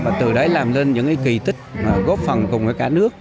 và từ đấy làm lên những kỳ tích góp phần cùng với cả nước